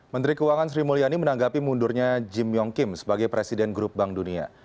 menteri keuangan sri mulyani menanggapi mundurnya jim yong kim sebagai presiden grup bank dunia